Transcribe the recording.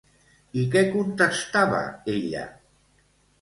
I què contestava ella?